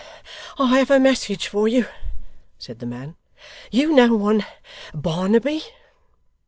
'I have a message for you,' said the man. 'You know one Barnaby.